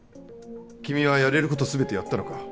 君はやれることすべてやったのか？